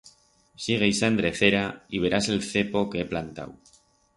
Sigue ixa endrecera y verás el cepo que he plantau.